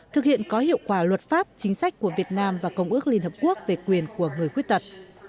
thực hiện có hiệu quả luật pháp chính sách của việt nam và công ước liên hợp quốc về quyền của người khuyết tật